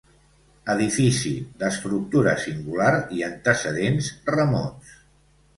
Edifici d'estructura singular i antecedents remots.